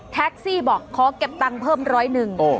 แท็กซี่บอกขอเก็บตังค์เพิ่มร้อยหนึ่ง